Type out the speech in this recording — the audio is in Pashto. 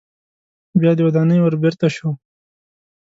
بیا د ودانۍ ور بیرته شو.